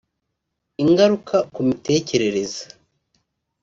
Ingaruka ku mitekerereze